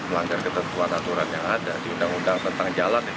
melanggar ketentuan aturan yang ada di undang undang tentang jalan